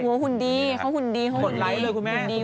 หัวหุ่นดีเขาหุ่นดีเขาหุ่นไลค์